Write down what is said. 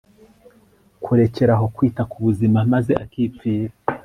kurekera aho kwita ku buzima maze akipfira